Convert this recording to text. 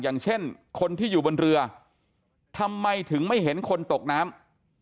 อย่างเช่นคนที่อยู่บนเรือทำไมถึงไม่เห็นคนตกน้ำ